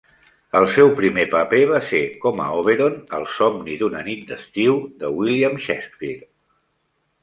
El seu primer paper va ser com a Oberon al "Somni d'una nit d'estiu" de William Shakespeare.